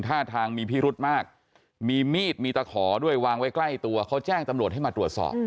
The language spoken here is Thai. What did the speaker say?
ท่าทางมีพิรุธมากมีมีดมีตะขอด้วยวางไว้ใกล้ตัวเขาแจ้งตำรวจให้มาตรวจสอบ